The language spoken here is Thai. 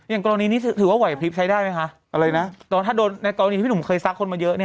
กรณีนี้ถือว่าไหวพลิบใช้ได้ไหมคะอะไรนะแต่ว่าถ้าโดนในกรณีที่พี่หนุ่มเคยซักคนมาเยอะเนี่ย